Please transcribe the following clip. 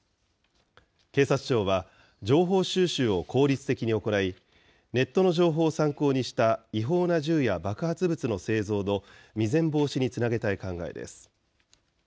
警察庁は、情報収集を効率的に行い、ネットの情報を参考にした違法な銃や爆発物の製造の未然防止につ